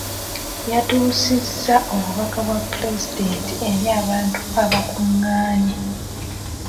Yatuusizza obubaka bwa pulezidenti eri abantu abakungaanye.